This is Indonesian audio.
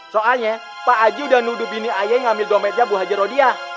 soalnya pak haji udah nuduh bini ayo yang ngambil dompetnya bu haji rodiah